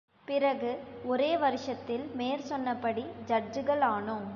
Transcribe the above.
பிறகு ஒரே வருஷத்தில் மேற்சொன்னபடி ஜட்ஜுகளானோம்!